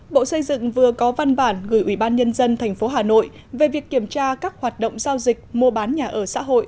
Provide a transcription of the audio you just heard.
bộ xây dựng vừa có văn bản gửi ubnd tp hà nội về việc kiểm tra các hoạt động giao dịch mua bán nhà ở xã hội